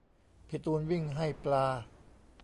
พี่ตูนวิ่งให้ปลา